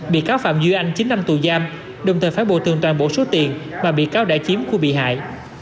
bị cáo phạm duy anh chín năm tù giam đồng thời phải bồi tường toàn bộ số tiền mà bị cáo đã chiếm của bị hại